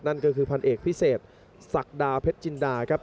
นั่นก็คือพันเอกพิเศษศักดาเพชรจินดาครับ